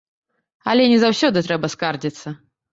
Але не заўсёды трэба скардзіцца.